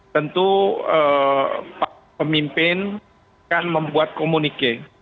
tentu pak pemimpin akan membuat komunike